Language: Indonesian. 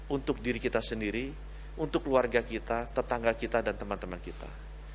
untuk diri kita sendiri untuk keluarga kita tetangga kita dan teman teman kita